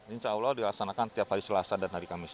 insya allah dilaksanakan tiap hari selasa dan hari kamis